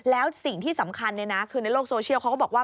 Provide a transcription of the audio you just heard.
แล้วสิ่งที่สำคัญคือในโลกโซเชียลเขาก็บอกว่า